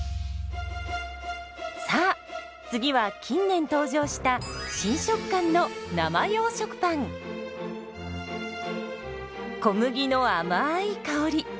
さあ次は近年登場した新食感の小麦のあまい香り。